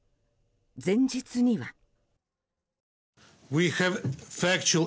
前日には。